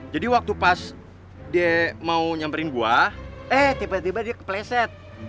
jadi waktu pas dia mau nyamperin gue eh tiba tiba dia kepleset